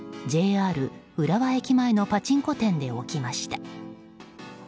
ＪＲ浦和駅前のパチンコ店で起きました。